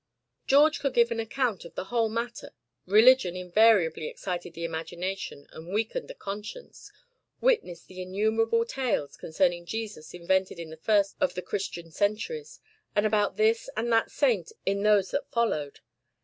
George could give account of the whole matter: religion invariably excited the imagination and weakened the conscience; witness the innumerable tales concerning Jesus invented in the first of the Christian centuries, and about this and that saint in those that followed!